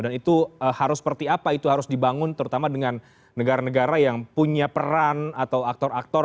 dan itu harus seperti apa itu harus dibangun terutama dengan negara negara yang punya peran atau aktor aktor